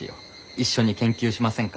「一緒に研究しませんか」